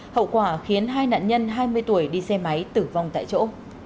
hậu quả khiến hai nạn nhân hai mươi tuổi đi xe máy tử vong tại chỗ